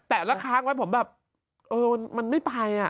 อะกรบมันไม่ไหว้ไปเลยนะ